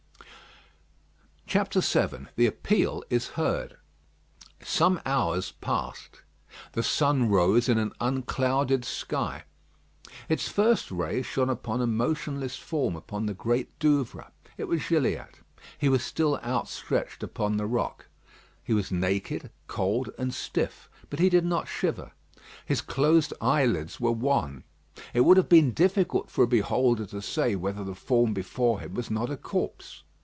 VII THE APPEAL IS HEARD Some hours passed. The sun rose in an unclouded sky. Its first ray shone upon a motionless form upon the Great Douvre. It was Gilliatt. He was still outstretched upon the rock. He was naked, cold, and stiff; but he did not shiver. His closed eyelids were wan. It would have been difficult for a beholder to say whether the form before him was not a corpse.